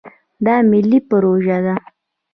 دا ملي پروژه ده.